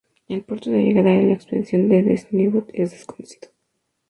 El puerto de llegada de la expedición de Dezhniov es desconocido.